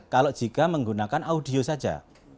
kalau jika menggunakan audio saja